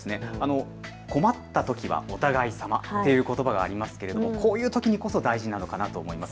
困ったときはお互い様っていうことばがありますがこういうときにこそ大事なのかなと思います。